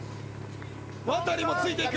ワタリもついていく。